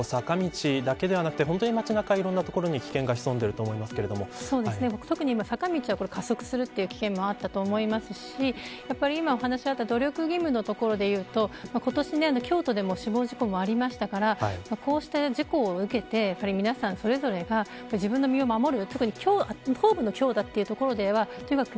金子さん、坂道だけではなくて街中いろんなところに危険が特に、坂道は加速するという危険もあったと思いますし今お話しされた努力義務のところで言うと今年、京都でも死亡事故がありましたからこうした事故を受けて皆さんそれぞれが自分の身を守る。